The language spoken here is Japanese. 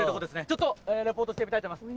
ちょっとリポートしてみたいと思います。